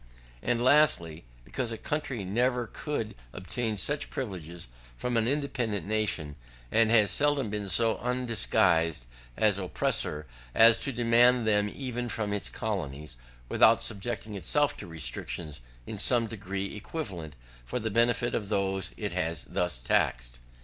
And lastly, because a country never could obtain such privileges from an independent nation, and has seldom been so undisguised an oppressor as to demand them even from its colonies, without subjecting itself to restrictions in some degree equivalent, for the benefit of those whom it has thus taxed.